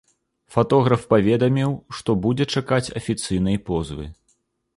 Фатограф паведаміў, што будзе чакаць афіцыйнай позвы.